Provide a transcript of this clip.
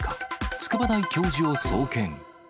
筑波大教授を送検。